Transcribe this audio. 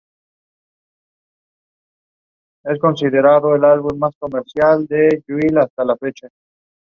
Vive sin horarios ni ataduras, aunque siempre pendiente de su hermano Simon.